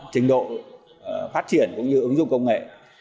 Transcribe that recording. trình độ phát triển cũng như ứng dụng công nghệ